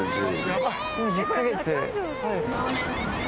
１０か月。